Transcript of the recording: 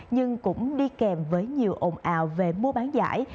nhưng cũng đi kèm với nhiều ồn ào về mua bán giải